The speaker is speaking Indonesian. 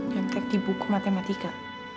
nyontek di buku matematika